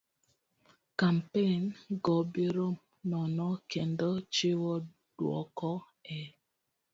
Kampen go biro nono kendo chiwo dwoko e